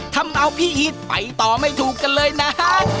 ทำเอาพี่อีทไปต่อไม่ถูกกันเลยนะฮะ